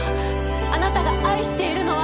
あなたが愛しているのは。